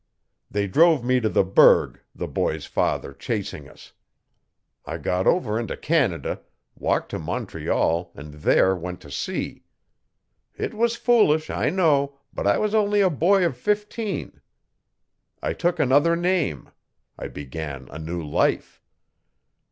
They drove me to the 'Burg, the boy's father chasing us. I got over into Canada, walked to Montreal and there went to sea. It was foolish, I know, but I was only a boy of fifteen. I took another name; I began a new life.